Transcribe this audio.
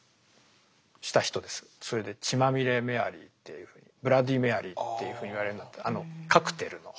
それで「血まみれメアリー」っていうふうに「ブラッディーメアリー」っていうふうに言われるようになったあのカクテルの。